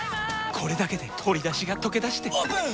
これだけで鶏だしがとけだしてオープン！